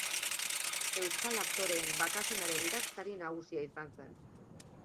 Euskal Aktoreen Batasunaren idazkari nagusia izan zen.